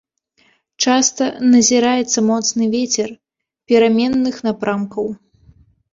Часта назіраецца моцны вецер пераменных напрамкаў.